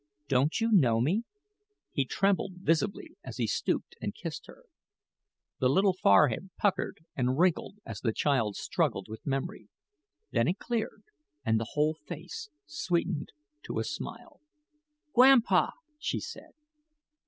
Don't you know me?" He trembled visibly as he stooped and kissed her. The little forehead puckered and wrinkled as the child struggled with memory; then it cleared and the whole face sweetened to a smile. "Gwampa," she said.